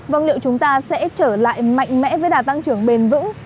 vâng liệu chúng ta sẽ trở lại mạnh mẽ với đà tăng trưởng bền vững